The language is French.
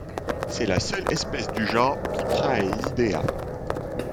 C'est la seule espèce du genre Pipraeidea.